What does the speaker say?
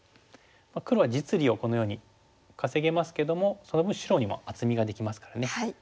黒は実利をこのように稼げますけどもその分白にも厚みができますからね。